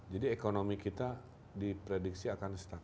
jadi ekonomi kita diprediksi akan stuck